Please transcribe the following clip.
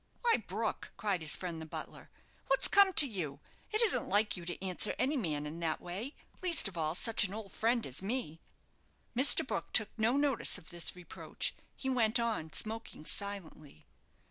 "Why, Brook," cried his friend, the butler, "what's come to you? It isn't like you to answer any man in that way, least of all such on old friend as me." Mr. Brook took no notice of this reproach. He went on smoking silently.